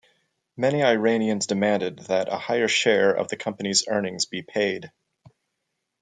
Many Iranians demanded that a higher share of the company's earnings be paid.